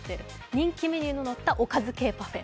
人気メニューののったおかず系パフェ。